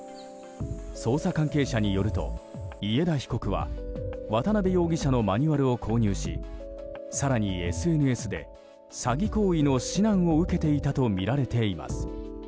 捜査関係者によると家田被告は渡辺容疑者のマニュアルを購入し更にＳＮＳで、詐欺行為の指南を受けていたとみられています。